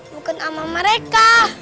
bukan sama mereka